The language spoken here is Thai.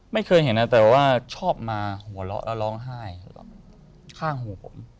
ไม่เคยเห็นนะแต่ว่าชอบมาหัวเราะแล้วร้องไห้ข้างหูผม